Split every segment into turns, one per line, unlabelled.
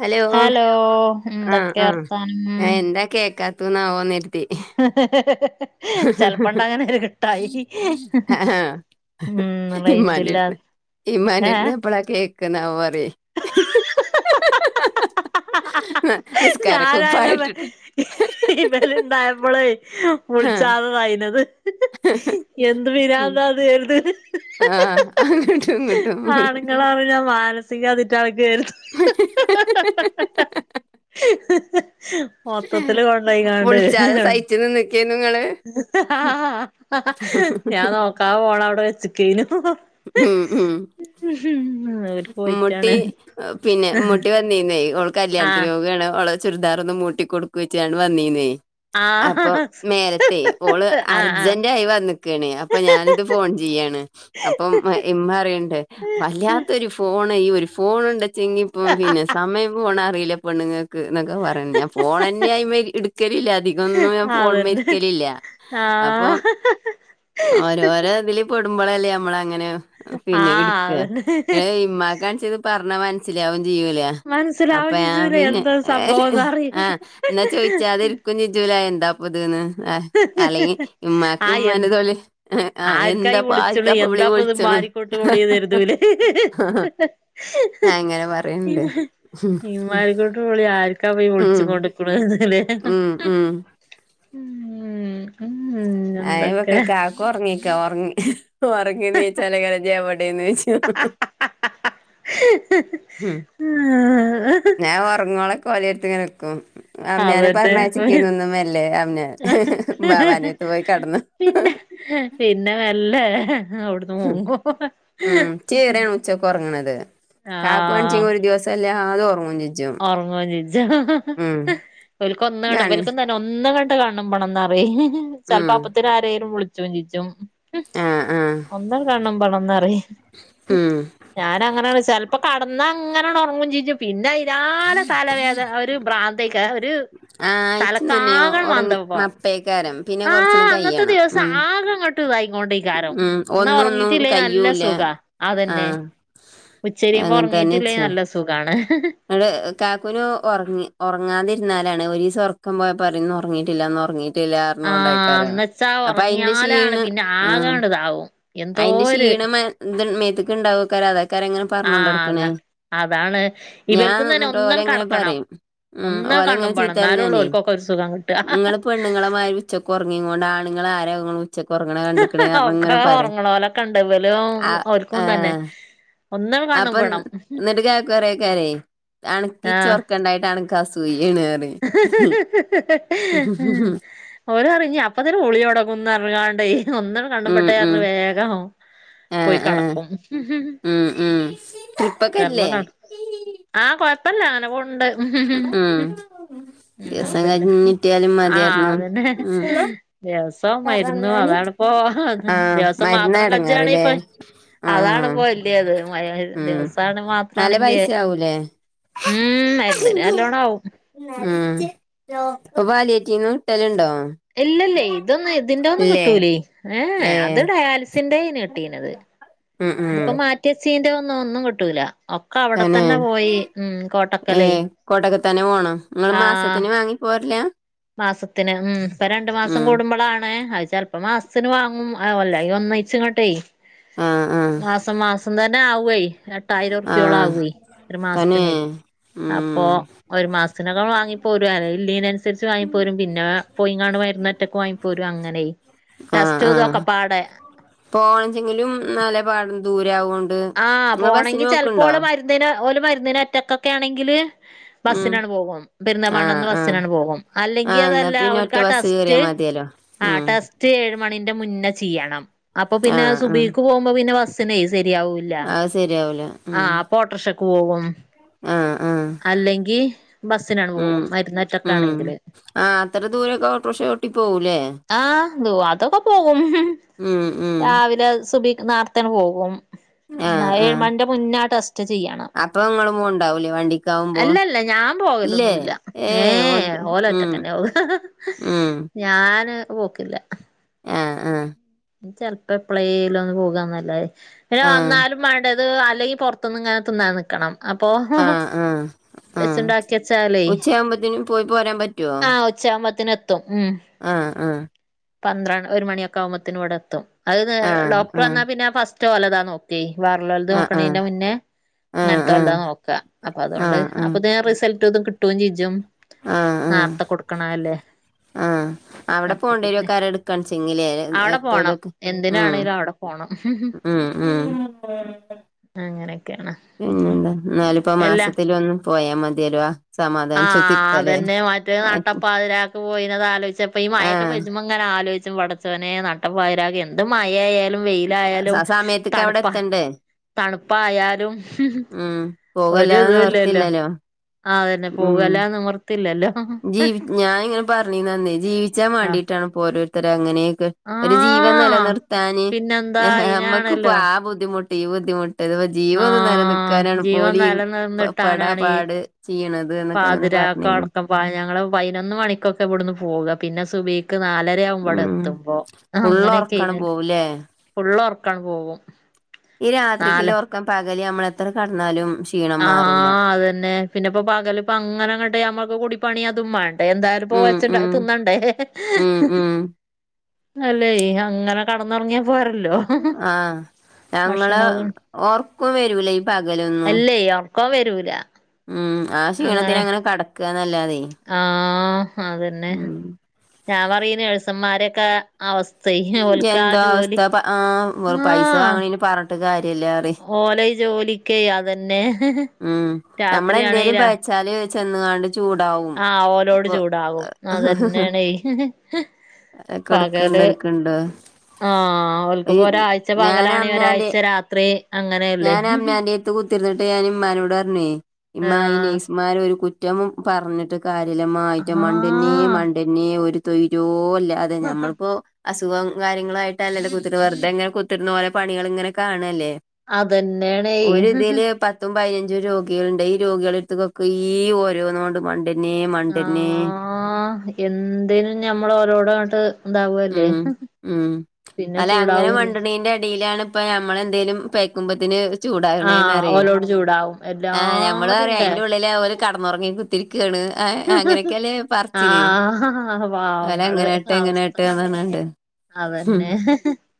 Hello ആഹ്
എന്തൊക്കെ
ആഹ്
വർത്താനം
ഞാൻ എന്താ കേക്കാ ത്തുന്നവുന്നി
ചെലപ്പണ്ട്
[unintelligible]
അങ്ങനെ ഒരു കിട്ടായി
അഹ് അ
ഉം റേഞ്ചില്ലാ
ഇമാനട്ട
ഏ
ഇമാനട്ടന്ന് എപ്പള കേക്കുന്നാവ പറെ
ഞാനായാല
നിസ്കാരക്കുപ്പായിട്ടിട്ട്
ഇ വല ഇണ്ടായപ്പോളേ
ആഹ്
വിളിച്ചാത തൈനത് എന്ത്
ഉം
വിനന്താ അത് വരുത്
ആഹ് അങ്ങോട്ടും ഇങ്ങോട്ടും അങ്ങോട്ടും
[inaudible] ഇക്കാതിട്ടാണ് കേയറ്
അ
[inaudible] മൊത്തത്തില് കൊണ്ടായി കണ്ട്
ഗെ നിങ്ങളൾ
ഞാൻ നോക്കാ പോണ അവിടെ വെച്ചക്കേനു
ഉം ഉം
ഉ ഉം
മുട്ടി പിന്നെ മുട്ട നന്നീ നേ അവള് കല്യാണന്
ആഹ്
രോഗുകയാണ് അവെ ചുരിദാർ ഒന്ന് മൂട്ടി കൊടുക്ക വെച്ചാണ് വന്നീ നെയ
ആ
അപ്പൊ നേരത്തെേ ഓള്
ആഹ്
അർജന്റ ആയി വന്നിക്കാണ് അപ്പൊ ഞാനിത് ഫോൺ ചെയ്യാണ് അപ്പം എമ്മ അറിയണ്ടേ വല്ലാത്തൊരു ഫോണ് ഈ ഒരു ഫോൺ ഉണ്ടച്ചെങ്കി ഇപ്പ പിന്നെ സമയം പോോണ അറിയില്ല പണ് എന്നൊക്കെ പറയു ഞാൻ ഫോൺ തന്നെ ആയി ഇടുക്കലില്ല അധികം ഒന്നും ഞാൻ ഫോൺ മരിക്കലില്ല
ആഹ
ഓരോരോ ഇതില് പെടുമ്പോള അല്ലേ നമ്മള അങ്ങനെ പിന്നെ
ആഹ്
ഇടുക്ക
അതന്നെ
മ്മാ കാണിച്ച ഇത് പറഞ്ഞൽ മനസ്സിലാവും ചെയ്യൂലേ അപ്പ
മനസ്സിലാവും
ഞ
ചേച്ചൂല
പിന്നെ
എന്താ സംഭവംന്ന് അറിയില്ല
ആഹ് എന്നാ ചോയിച്ചാ അതി കുഞ്ഞി ചുല എന്താപ്പതന്ന് അല്ലെങ്കി ഉമ്മാക്ക് ഉമ്മാന്റെ തൊള്ളെ
ആര്ക്കായി വിളിച്ച്ണ് എന്താപ്പ ത്
വിളിച്ചണു
[unintelligible] കരുതുംലേ
അങ്ങനെ
ഇ
പറയണ്ട് ഉം
ഇമ്മാരിക്കൂട്ട് വിളി ആർക്കാ ഈവിൾച്ചു
ഉം
കൊണ്ട്ര്ക്ക്ണ് ല്ലേ
ഉം ഉം
ഉംഹ് ഉംഹ് എന്തൊക്കെ?
ക്കൊർങ്ങിക്കാ ഒർങ്ങി ഉറങ്ങിന്നീച്ചാലേകാരം ഇജബടേന്നോയ്ച്ച ഉംഹ് ഞാൻ ഒർങ്ങോളൊക്കെ ഓലെടുത്ത് ങ്ങനെ നിക്കും അംനാനെ
അതന്നെ
പറഞ്ഞാഴച്ച്ക്കേര്ന്നു മെല്ലേ അവനെ ബാവാന്റേട്ത്ത് പോയി കെടന്ന്
പിന്നെ പിന്നെ മെല്ലേ
ഉംഹ് ഉംഹ് ച്ചീറേണ് ഉച്ചക്ക് ഒർങ്ങ്ണത് കാക്കുവാണിച്ച ഒരു ദിവസം ന്തല്ലാതെ ഒർങ്ങും ചെ
ഓറങ്ങുചെജ ഓൽക്കൊന്നാണ്ട്
രണ്ട്
ഇവൽക്കും ത പി ഒന്ന്ങ്കട്ട് കണ്ണ്മ്പണംന്നറിം ചെലപ്പോ
ഉം
അപ്പോത്തിന് ആരങ്കിലും വിള്ച്ചും ചെജും
ആഹ്
ഒന്നാണ്ട് കണ്ണിമ്പണംന്ന് പറിം
ഉംഹ്
ഞാന അങ്ങനെയാണ് ചെൽപ്പോ കെടന്ന അങ്ങനെയാണ് ഉറങ്ങും ചെജും പിന്നെ അയ്നാല തലവേദ ഒരു ഭ്രാന്തേക്ക ഒര്
ആഹ് ഇച്ചു തന്നെ ഒറങ്ങി മസ്പേക്കാരം പിന്നെ കൊറച്ച്ണ് കയ്യണം ഉംഹ്
റ്റു തായ് കൊണ്ടേകാരം എന്ന
ഒന്നും ഒന്നും
ഒറങ്ങീട്ടില്ലേ നല്ല
കയ്യൂല
സുഖ അതന്നെ
ആഹ്
ഉച്ചരിയുമ്പോ ഒറങ്ങീട്ടില്ലേ നല്ല സുഖാണ്
ടെ കാക്കുന് ഒറങ്ങി ഒറങ്ങാതിരുന്നാലാണ് ഒരീസം ഒറ്ക്കം പോയാ പറിം ന്ന് ഉറങ്ങിട്ടില്ല ന്ന് ഉറങ്ങിട്ട്
ആഹ്
ട്ടില്ലാർഞ്ഞുക്കൂണ്ടേക്കാരം
എന്നച്ചാ
അപ്പൊ അയ്ന്റെ
ഉറങ്ങിയാലാണ്
ക്ഷീണം
പിന്നെ
ആ
ആകാണ്ട് ഇതാവും
അയ്ന്റെ
എന്തോര്
ക്ഷീണം ഇന്ത മേത്ത്ക്ക്ണ്ടാവുക്കേരം അതാക്കാരം ങ്ങനെ
ആഹ് അതാണ് അതാണ്
ഞാൻ
ഇവൽക്കും തന്നെ
ന്നിട്ട്
ഒന്നണ്
ഓലങ്ങനെ
കടക്കണം
പറിം ഉംഹ്
ഒന്ന്
ഓലങ്ങനെ
കണ്ണുമ്പണം
ചീത്തറിം
എന്നാലൊള്ളൂ
ഞാനേ
ഓൽക്കൊക്കെ ഒരു സുഖം കിട്ടാ
നിങ്ങൾ പെണ്ണുങ്ങളെ മാരി ഉച്ചക്ക് ഒറ്ങ്ങിങ്ങൂണ്ട് ആണ്ങ്ങൾ ആര ഇ ഉച്ചക്ക് ഒർങ്ങ്ണത് കണ്ടക്ക്ണേ
ഒക്കെ
ങ്ങനെ പറും
ഉറങ്ങണോലൊക്കെ ഉണ്ട് ഇവലും
ആഹ്
ഓൽക്കും തന്നെ
ഏഹ്
ഒന്നണ്
അപ്പം
കണ്ണുമ്പണം
ന്നിട്ടക്ക കൊറേകാലേ അണക്കിച്ചാർക്കണ്ടായിട്ടാണ് നക്ക് അസൂയേന്നറിം
[inaudible] ഓരറി ഇഞ്ഞ അപ്പ തന്ന ബുളിഒട്ങ്ങുംന്നർഞ്ഞ്കാണ്ടെ ഒന്നങ്
ഉം ഉം
കണ്ണിമ്പട്ടെന്നർഞ്ഞ് വേഗം. പോയി
ആഹ് ആഹ്
കടക്കും
ഉം ഉം ട്രിപ്പൊക്കെ
ചർ.
ഇല്ലേ
[unintelligible] ആഹ് കൊഴപ്പല്ല അങ്ങനെ പോവ്ണ്ട്
ഉം
ഉം
ദിവസം
ഹമ്ദുല്ലാഹ്
കഴിഞ്ഞിട്ടിയാലും
ആഹ്
മതിയായിരുന്നു
അതന്നെ
ഉം
യെസ് പ്പോ മരുന്നും അതാണ്പ്പോ അത്
ആഹ്
ദിവസം
മരുന്നാ
മാത്രം
എടങ്ങേറ്ല്ലേ
കജ്ജാണപ്പോയി.
ആഹ്
അതാണിപ്പോ വല്യത് ദിവസാണ് മാത്രണെങ്കി.
ക്കുലേ.
ഉം മരുന്നിന് നല്ലോണ്ണം ആവും
ഉം ഇപ്പൊ പാലിയേറ്റീവിന്ന് ട്ടലുണ്ടോ?
ഇല്ലല്ലേ ഇതൊന്ന് ഇതിന്റെ ഒന്നും കിട്ടൂലേ ഏഹേ
ഏഹ്
അത് ഡയാലിസിന്റെ നീ കിട്ടീനത്
ഉം ഉം
ഇത്പ്പം മാറ്റി വെച്ചീന്റെതൊന്നും ഒന്നും കിട്ടൂല. ഒക്കെ അവിടെ
തന്നെ
പോയി ഉം കോട്ടക്കലേ
ഏഹ് കൊട്ടക്ക തന്നെ പോന്നൊ നിങ്ങള്
ആഹ്
മാസത്തിന് വാങ്ങി. പോര്‌ലാ
മാസത്തിന് ഉം ഇപ്പം രണ്ടു മാസം കൂടു. മ്പളാണ് അത് ചെലപ്പം മാസത്തിന് വാങ്ങും അല്ലെങ്കി ഒന്നിച്ച് ങ്ങട്ടെ
ആഹ് ആഹ്
മാസം മാസം തന്നെ ആവൊയ് എട്ടായിരം ർപ്യോള
ആഹ്
ആവോയ് ഒരു
തന്നെ
മാസത്തിന് അപ്പൊ.
ഉം
ഒരു മാസത്തിനൊകെ വാങ്ങിപ്പോരും ഒരു അനുസരിച്ച് വാങ്ങി പോരും പിന്നെ പോയിങ്ങാണ്ട് മരുന്നൊറ്റക്ക് വാങ്ങി പോരും അങ്ങനെ ടസ്റ്റുതും ഒക്കപാട
പോണെചങ്കിലും നല്ല പാഠം ദൂരവോണ്ട്
ആ പോണങ്കി ചിലപ്പോള് മരുന്നിന് ഒര് മരുന്നിന് ഒറ്റക്കൊക്കെ ആണെങ്കില്
ഉം
ബസ്സിനാണ്ട് പോകും
ആഹ്
പെരിന്തമാണ്ണേന്ന്
ആഹ്
ബസ്സിനാണ്ട് പോകും
ആ
അല്ലെങ്കി
എന്നാ
അതല്ല
പിന്നെ ഒറ്റ
അവൽക്കാ
ബസ്സ് കേറിയാ
സ്റ്റ്
മതിയല്ലോ
ആ
ഉം
ടസ് റ്റ് ഏഴ് മണിന്റെ മുന്നേ ചെയ്യണം അപ്പൊ
ആ
പിന്നെ
ആ
സുബൈക്ക് പോകുമ്പോ പിന്നെ ബസ്സിനേ ശരിയാവു ല്ല
അത് ശരിയാവൂല
ആ
ഉം
അപോട്ടർഷക്ക് പോകും
ആ ആ
അല്ലെങ്കിൽ ബസ്സിനട്
ഉം
പോകും
ഉം
മരുന്നാറ്റൊക്കാണെങ്കില്
ആ അത്ര ദൂരൊക്കെ ഓട്ടോറിക്ഷ ഓട്ടി പോവൂലേ
ആഹ് ദുവാത്തൊക്കെ പോകും
ഉം ഉം
രാവിലെ സുബയ്ക്ക് നാർത്തേട് പോകും
ആ
എന്ന
ആ
ഏഴ് മണിന്റെ മുന്നാട്ട് റ്റ് ചെയ്യണം
അപ്പൊ ഇങ്ങളും പോണ്ടാവൂലേ വണ്ടിക്കാവുമ്പോ
അല്ല അല്ല ഞാൻ
ഇല്ലേ
പോകലൊന്നുല്ല ഏ
ഓൽക്ക്
ഓല്
ഉം
ഒറ്റക്കന്നെ പോക
ഉം
ഞാന് പോക്കില്ല
ആഹ് ആഹ്
ചെലപ്പോ എപ്ളേലും ഒന്ന് പോകാന്നല്ലേ പിന്നെ
ആ
വന്നാലും വേണ്ട അത് അല്ലെങ്കിൽപുറത്ത്ന്ന് ഇങ്ങനെ തിന്നാൻ നിൽക്കണം അപ്പൊ
ആ ആ
വെച്ചുണ്ടാക്കി വെച്ചാലേ
എകുമ്പോത്തിനും പോയി പോരാൻ പറ്റുവോ
ച്ചാമത്തിന് എത്തും ഉം
ആഹ് ആഹ്
പന്ത്ര ഒരു മണിയൊക്കെ ആകുമ്പോത്തിന് ഇവടെ എത്തും അത്
ആ
ഡോക്ടർ
ആ
വന്നാൽ പിന്നെ ഫസ്റ്റ് ഓലതാ നോക്കും വേർള്ളോൽത്
ആ ആ ആ
നോക്കണതിന്റെ മുന്നേ
ആ
ഇങ്ങനത്തോല്താ നോക അപ്പൊ
ആ
അതുകൊണ്ട് അപ്പൊ
ആ
ഞാൻ റിസൾട്ട് റ്റതും കിട്ടുകയും ചെജും
ആ ആ
നോർത്തെ കൊടുക്കണല്ലേ
ആഹ് അവിടെ
അപ്പൊ പിന്നെ
പോണ്ടിരേക്കാര എടുക്കണ് ചെങ്കിലേ
അവിടെ പോണം
എക്കോതൊക്കെ ഉ
എന്തിനാണെങ്കിലും അവിടെ പോണം
ഉം ഉം
അങ്ങനെയൊക്കെയാണ്
പിന്നെന്താ എന്നാലിപ്പോ മാസത്തിലൊ ഒന്ന് പോയാ മതിയല്ലോവാ
ആഹാ അതന്നെ മറ്റേ നട്ടപ്പാതിരാക്കെ പോയിത് ആലോചിച്ചപ്പം ഈ മഴ
ആഹ്
അങ്ങനെ ആലോചിച്ചും പടച്ചോനെ നട്ടപ്പാതീരാക്കു എന്ത് മയായാലും വെയിലായാലും
ആ സമയത്ത്ക്ക് അവിടെ
തണുപ്പ
എത്തണ്ടേ
തണുപ്പായാലും
ഉം പോകല്ലാതെ
ഒരുതുല്ലല്ലോ
നിവർത്തില്ലല്ലോ
ആതന്നെ പോവലാന്നും നിർത്തില്ലല്ലോ
ജീ ഞാന് ഇങ്ങനെ പറഞ്ഞീനന്നെ ജീവി ചാൻ
ആഹ്
മാണ്ടിട്ടാണ് ഇപ്പോ ഓരോരുത്തർ അങ്ങനെയൊക്കെ ഒരു ജീവൻ
ആഹ്
നിലനിർത്താന്
പിന്നെന്താ
നമ്മക്കിപ്പോ
അയിനാണല്ലോ
ബുദ്ധിമുട്ട് ഈ ബുദ്ധിമുട്ട് ഇത് ജീവം ഒന്നും
ആഹ്
നിലനിൽക്കാനാണ്
ജീവൻ
പോലെ ഈ പെടാ
നിലനിർന്നിട്ടാനാണ് ഈ
പാട് ചെയ്യ്ണത് എന്നൊക്കെ അങ്ങനെ
പാതിരാക്ക്
പറഞ്ഞീന്നു
അടക്കം ഞങ്ങള് പതിനൊന്ന് മണിക്കൊക്കെ ഇവിടുന്ന് പോവുക പിന്നെ സുബഹി ക്ക് നാലരയാവുമ്പോവിടെ
ഉം
എത്തുമ്പോ
ഫുള്ള് ഉറക്കാണ്
അങ്ങനെയൊക്കെയിനിം
പോവുല്ലേ
ഫുള്ള് ഒർക്കം പോകും
ഈ രാത്രിക്കില്ല
നാല്
ഉറക്കം പകല് നമ്മള് എത്ര കടന്നാലും ക്ഷീണം
ആ
മാറൂല
അതന്നെ പിന്നെപ്പൊ പകല ഇപ്പ അങ്ങനെ അങ്ങട്ടെ നമ്മക്ക് കുടിപ്പണി അതും വേണ്ടെ എന്തായാലുംപ്പൊ
ഉം
വെച്ച
ഉം
തിന്നണ്ടേ
ഉം ഉം
അല്ലെ അങ്ങനെ കെടന്നൊറങ്ങിയാ പോരല്ലോ
ആഹ്
ഭക്ഷണ
ഞങ്ങള് ഒർക്കും വരൂലേ പകലൊന്നും
അല്ലേ ഒറക്കം വരൂല
ഉം ആ ക്ഷീണത്തില് അങ്ങനെ കെടക്കാന്നല്ലാതെ
ആഹ് അതന്നെ ഞാൻ പറയും ഈ നേഴ്സന്മാരൊക്കെ അവസ്ഥയേ ഓൽക്ക് ആ ജോലി
ആഹാ പൈസ വാങ്ങനീണ് പറഞ്ഞിട്ട് കാര്യല്ല പറയും
ഓല് ഈ ജോലിക്ക് അതന്നെ രാത്രിയാണേ രാ
തലേ വെച്ചെന്ന്ങ്ങാണ്ട് ചൂടാവും
ആഹ് ഓലോട്
അപ്പൊ
ചൂടാകും അതന്നെയാണേ
അത് കൊടുക്കണ്ട് എടുക്കണ്ട്
ആഹാ
ഈ
ഓൽക്കിപ്പോ ഒരാഴ്ച
ഞാൻ
പകലാണേ
അമ്നാന്റെ
ഒരാഴ്ച രാത്രി അങ്ങനെയല്ലേ
ത്തുത്തിരുന്നിട്ട് ഞാൻ ഇമ്മാനോട് പറഞ്ഞേ ഇമ്മാ ഈ
ആഹ്
നേഴ്സ് മ്മാരെ ഒരു കുറ്റം പറഞ്ഞിട്ട് കാര്യല്ല ഇമ്മ അയിന്റെ മണ്ടേ നെ
ആഹ്
മണ്ടേനെ ഒരു തൊര്യോം ഇല്ലാതെ ഞമ്മളിപ്പോ അസുഖവും കാര്യങ്ങളുവായിട്ടല്ലല്ലോ കുത്തിട്ട് വെറുതെ ഇങ്ങനെ കുത്തിരുന്ന് ഓരോ പണികൾ ഇങ്ങനെ കാണുല്ലേ ഒരു
അതന്നെയാണേ
ഇതില് പ പത്തും പതിനഞ്ചും രോഗികളുണ്ട് ഈ രോഗികളെയെടുത്തുക്കെ ഈ ഓരോന്നുകൊണ്ട് മണ്ടേ ന്നേ മണ്ടന്നേ
ആഹാ എന്തിനും ഞമ്മൾ ഓരോടങ്ങട്ട് ഇതാവല്ലേ
ഉം ഉം
പിന്നെ
അല്ല അങ്ങനെ
ചൂടാവും ചെയ്യും.
മിണ്ടണീന്റെ എടിയിലാണ് ഇപ്പം ഞമ്മളെന്തേലും പെയക്കുമ്പത്തിന് ചൂടാകണേന്ന്
ആഹ്
പറയും
ഓലോട് ചൂടാവും
ആ ഞമ്മൾ
എല്ലാതും
പറയും
കേ
അയിന്റെ ഉള്ളിലാ അവര് കെടന്നുറങ്ങിയത് രിക്കാണ് അ അങ്ങനെക്കെയല്ലേ പറിച്ചില്
ആഹ്
ഓല്
പാവങ്ങള്
എങ്ങനാട്ട് ങ്ങനാ
അവസ്ഥ
പറഞ്ഞാണ്ട് ഉം
[unintelligible]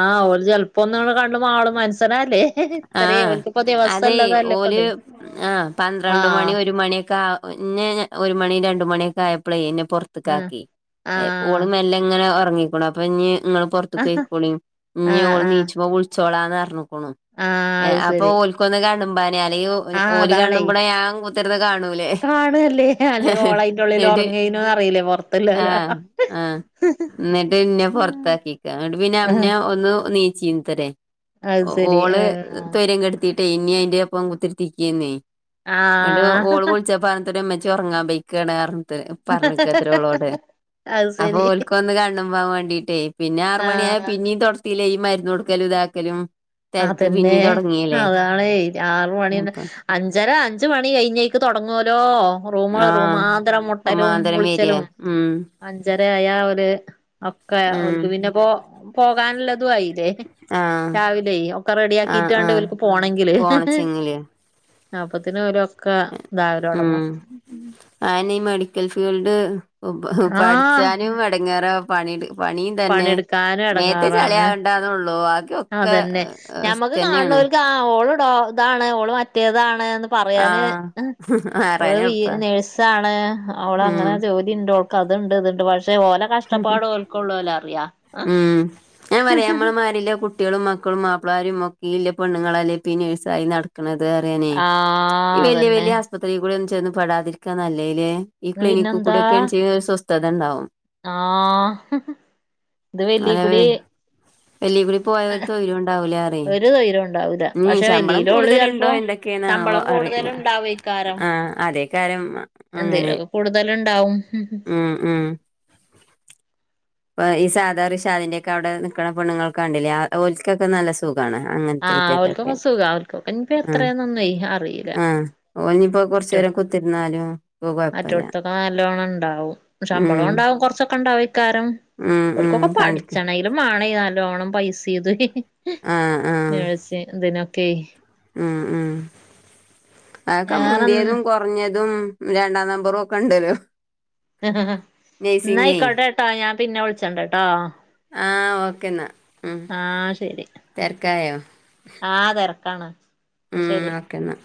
ആ ഓല് ചെലപ്പൊന്നു കണ്ണു മാളും മൻസ്നല്ലേ
ആഹാ അതെയ് ഓല്
ഇപ്പത്
ആ പന്ത്രണ്ട് മണി
ആഹ്
ഒരു മണിയൊക്കെ ആ ന്നെ ഒരു മണിയും രണ്ട് മണിയൊക്കെ ആയപ്പളേ ന്നെ പുറ
ആഹ്
ത്തക്കാക്കി ഓള്
ആഹ്
മെല്ല ഇങ്ങനെ ഉറങ്ങിക്കൊളും അപ്പൊ ഇനി ഇങ്ങള് പൊറത്തക്ക് പൊയിക്കോളീം ഇഞ്
ആഹ്
ഓൾ
ആഹ്
നീച്ചുമ്പം വിളിച്ചോളാന്ന് പറഞ്ക്കണു
ആഹ് അത്
അപ്പൊ
ശരി
ഓൽക്കൊന്ന് കണ്ണുമ്പനെ അല്ലേൽ
ആഹ്
ഓല്
അതാണേ
കണ്ണുമ്പണെ ഞാൻ കൂത്തിർന്ന് കാണൂലേ
കാണല്ലേ അല്ലെ ഓളയിന്റെ ഉള്ളിൽ
ന്നിട്ട്
ഉറങ്ങേനു അറിയില്ലേ
ആഹ്
പൊറത്തുള്ളോല്
ആഹ് എന്നിട്ട് എന്നെ
ആഹ്
പെറത്താക്കിക്ക അതുകൊണ്ട് പിന്നെ അമ്മ്ന ഒന്ന് നീച്ചീംതരെ
അത്
ഒ
ശരി
ഓള്
ആഹ്
സോര്യം കേടുത്തിട്ടെ ഇതി ആയിറ്റോപ്പം കുത്തിരിക്കുവാന്നേ എന്നിട്ട്
ആഹ്
ഓള് വിളിച്ചപ്പ [unintelligible] ഉമ്മച്ചി ഒറങ്ങാൻ പോയ്ക്കുവാണ് [unintelligible] പറഞ്ഞേക്ക് അത്ര അവളോട്
അത്
അപ്പൊ
ശരി
ഓല്ക്ക് വന്ന് കാണണം വേണ്ടീട്ടേ പിന്നെ ആറ് മണിയായ
ആഹ്
പിന്നേം തൊട യിലെ ഈ മരുന്ന് കൊടുക്കലും ഇതാർക്കെലും തെര
പിന്നേ അതാണ് ആറ് മണി എന്ന്
അപ്പ
അഞ്ചര അഞ്ച് മണി കഴിഞ്ഞ് ട്ട് തൊടങ്ങുവലോ റൂമുകൾ
ആഹ്
റൂമാന്തരം മുട്ടലും
മാന്തരം വരാ
മൂളിച്ചലും
ഉം
അഞ്ചര ആയാ അവല് ഒക്കെ
ഉം
ഓല്ക്ക് പിന്നെ പോ പോകാനുള്ളതും ആയില്ലേ
ആഹ്
ല്ല ഒക്കെ
ആഹ്
റെഡിയാക്കിട്ട് വേണ്ടേ
ആഹ്
ഓല്ക്ക് പോണെങ്കില്
പോണച്ചെങ്കില്
അപ്പത്തിന് ഓരോ കാ ഇതാവര് തൊടങ്ങും
ആയിനെ ഈ മെഡിക്കൽ ഫീൽഡ് പ
ആഹ്
പഠിച്ചാനും എടങ്ങേറാ പണീയെടു പണിയും തന്നെ
പണിയെടുക്കാനും എടങ്ങേറാണ്
മേത്ത്ചളിയാവണ്ടാന്നേയുള്ളു ബാക്കി ഒക്കെ
നമ്മക്ക്
റിസ്ക്കെന്നേണ്
കാണുന്നവർക്ക് ആ ഓള് ഡോ ഇതാണ് ഓള് മറ്റേതാണ് എന്ന് പറയാന്
ആഹ്
ഓള്
ആറാന്
ബി
എളുപ്പാ
നേഴ്സാണ് അവളങ്ങനെ
ഉം
ജോലി യുണ്ട് ഓക്ക് അതുണ്ട് ഇതുണ്ട് പക്ഷേ ഓലെ കഷ്ടപ്പാട് ഓൾക്ക് ഉള്ളൂലെ അറിയാ
ഉം ഞാൻ പറയും നമ്മളെ മാരില്ല കുട് ട്ടികളും മക്കളും മാപ്പിളമാരും ഒക്കെയില്ലേ പെണ്ണുങ്ങളല്ലെ ഇപ്പെയി നേഴ്സായി നട ക്കുന്നത് അറിയാനെ
ആഹ്
ഈ വലിയ
അതന്നെ
വലിയ ആ ആശുപത്രിയിൽ കൂടെ ഒന്ന് ചെന്ന് പെടാതിരിക്കാൻ നല്ലേല് ഈ ക്ലിനിക്ക്
പിന്നെന്താ
കൂടെ ഒക്കെ എന്ത് സ്വസ്ഥത ഒണ്ടാവും
ആഹ് ഇത്
അല്ലവേ
വെല്ലീക്കൂടി
വെളികൂടി പോയവർ തൊരുണ്ടാവൂലേ പറയ്
ഒരു ധൈര്യം ഉണ്ടാവൂല്ല
ഈ ശമ്പളം കൂടുതല് ഉണ്ടോ എന്തൊക്കെയാണ് ആവോ
ശമ്പളം കൂടുതല്
അറിയില്ല ആ അതേ കാലം
എന്തേലുക്കെ കൂടുതല് ഒണ്ടാവും
ഉം ഉം ഇപ്പ ഈ സാധാർ റിഷാദിന്റെക്കെ അവിടെ നിക്കണ പെണ്ണുങ്ങളെ കണ്ടില്ലേ ആ ഓല്ക്ക് ഇക്കാക്ക് നല്ല സുഖാണ്
ആഹ്
അങ്ങനത്തെറ്റക്കൊക്കെ
ഓൽക്കൊക്കെ സുഖാ ഓൽക്കൊക്കെ ഇനിപ്പോ
ആഹ്
എത്രയാന്നൊന്നുവേ അറിയില്ല
ആഹ് ഓനിയിപ്പോ കൊറച്ചു നേരം കുത്തിയിരുന്നാലും
മറ്റെടുത്തൊക്കെ നല്ലോണം ഒണ്ടാവും ശമ്പളം
ഉം
ഒണ്ടാവും കുറച്ചൊക്കെ ഒണ്ടാവും ഇക്കാരം
ഉം ഉം
ഓല്ക്കൊക്കെ
കാണിക്ക്
പഠിച്ചണെ ഇത് മാണെ നല്ലോണം പൈസ ഇത്
ആഹ്
നേഴ്സ് ഇതിനൊക്കെ
ആഹ് ആഹ് അതൊക്ക
വേറെ
മുന്തിയതും കൊറ പറഞ്ഞതും രണ്ടാം നമ്പറും ഒക്കെ ഒണ്ടല്ലോ
ആഹ് ആഹ് എന്നാ ആയിക്കോട്ടെ ട്ടോ ഞാൻ പിന്നെ വിളിച്ചോണ്ട്ട്ടോ
ആഹ് ഓക്കെ എന്നാ ഉം
ശരി
തെരക്കായോ
ആഹ് തെരക്കാണ്
ഉം ഓക്കെ എന്നാ